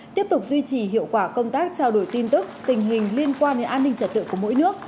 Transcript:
tiếp tục duy trì hiệu quả công tác trao đổi tin tức tình hình liên quan đến an ninh trật tự của mỗi nước